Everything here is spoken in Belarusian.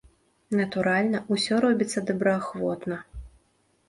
Натуральна, усё робіцца добраахвотна.